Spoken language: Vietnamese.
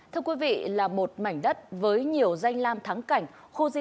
thưa quý vị là một mảnh đất với nhiều danh lam thắng cảnh